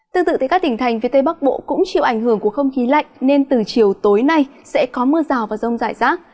tương tự các tỉnh thành phía tây bắc bộ cũng chịu ảnh hưởng của không khí lạnh nên từ chiều tối nay sẽ có mưa rào và rông rải rác